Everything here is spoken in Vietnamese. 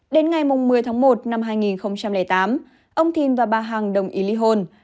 đến ngày một mươi tháng một năm hai nghìn tám ông thìn và bà hằng đồng ý ly hôn